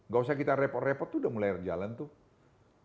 gak usah kita repot repot tuh udah mulai jalan tuh